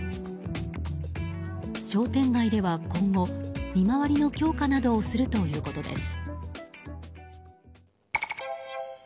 商店街では今後見回りの強化などをするということです。